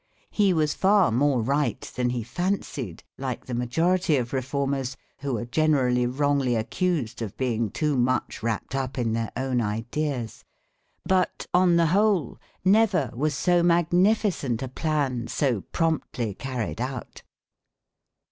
He was far more right than he fancied, like the majority of reformers who are generally wrongly accused, of being too much wrapt up in their own ideas. But on the whole, never was so magnificent a plan so promptly carried out.